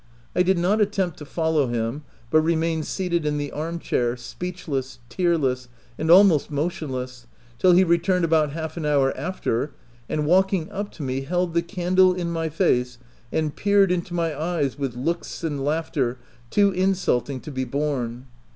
I did not attempt to follow him, but remained seated in the arm chair, speechless, tearless, and al most motionless, till he returned about half an hour after, and walking up to me, held the candle in my face and peered into my eyes with looks and laughter too insulting to be borne.